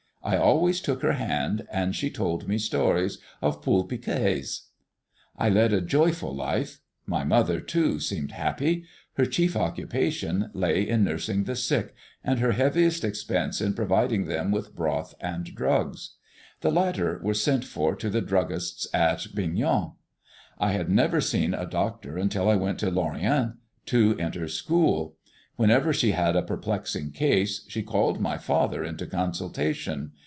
I always took her hand, and she told me stories of Poulpiquets. I led a joyful life. My mother, too, seemed happy. Her chief occupation lay in nursing the sick, and her heaviest expense in providing them with broth and drugs; the latter were sent for to the druggist's at Bignan. I had never seen a doctor until I went to Lorient to enter school. Whenever she had a perplexing case, she called my father into consultation.